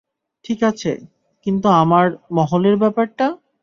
ঠিকাছে, কিন্তু আমার, মহলের ব্যাপারটা?